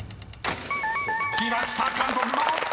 ［きました「韓国語」］